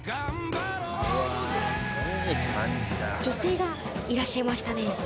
女性がいらっしゃいましたね。